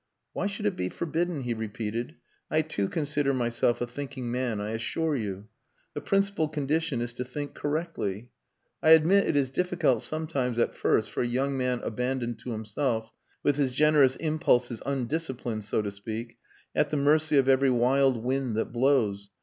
"Why should it be forbidden?" he repeated. "I too consider myself a thinking man, I assure you. The principal condition is to think correctly. I admit it is difficult sometimes at first for a young man abandoned to himself with his generous impulses undisciplined, so to speak at the mercy of every wild wind that blows.